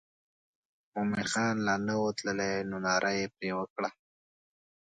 مومن خان لا نه و تللی نو ناره یې پر وکړه.